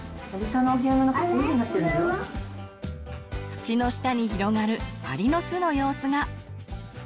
土の下に広がるアリの巣の様子が。